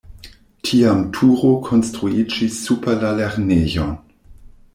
Tiam turo konstruiĝis super la lernejon.